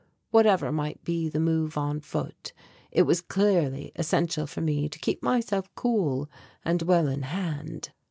Whatever might be the move on foot it was clearly essential for me to keep myself cool and well in hand.